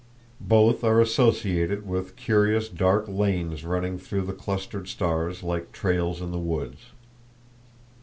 Both are associated with curious dark lanes running through the clustered stars like trails in the woods.